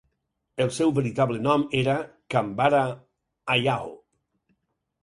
El seu veritable nom era Kambara Hayao.